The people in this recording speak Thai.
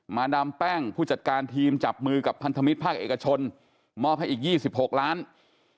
ดามแป้งผู้จัดการทีมจับมือกับพันธมิตรภาคเอกชนมอบให้อีก๒๖ล้านบาท